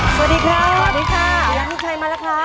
สวัสดีครับสวัสดีค่ะเวลาพี่ชัยมาแล้วค่ะ